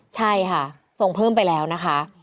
ใช่ค่ะส่งเพิ่มไปแล้วนะคะ